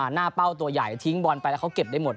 เป้าตัวใหญ่ทิ้งบอลไปแล้วเขาเก็บได้หมด